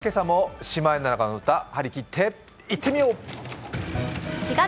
それでは今朝も「シマエナガの歌」張り切っていってみよう！